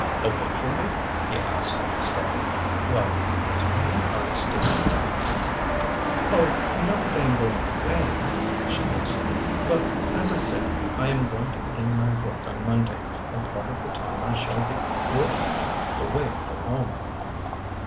"Away from me?" he asked, startled. "Why, what do you mean, Ernestine?" "Oh, not that I am going away," she hastened. "But, as I say, I am going to begin my work on Monday, and part of the time I shall be working, away from home."